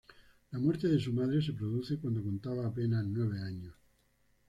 La muerte de su madre se produce cuando contaba apenas nueve años.